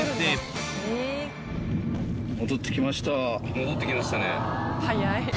戻ってきました。